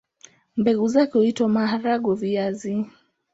Mbegu zake huitwa maharagwe-viazi.